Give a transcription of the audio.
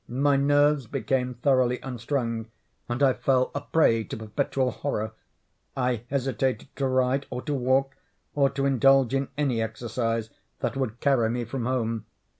My nerves became thoroughly unstrung, and I fell a prey to perpetual horror. I hesitated to ride, or to walk, or to indulge in any exercise that would carry me from home.